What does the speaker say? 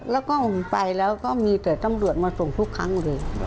แล้วก็ผมไปแล้วก็มีแต่ตำรวจมาส่งทุกครั้งเลย